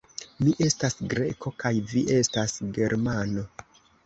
Mi estas Greko, kaj vi estas Germano.